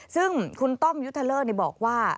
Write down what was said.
ซึ่งคุณต้อมยุทธเลอร์บอกว่า